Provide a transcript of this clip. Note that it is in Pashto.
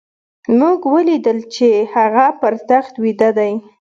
موږ وليدل چې هغه پر تخت ويده دی.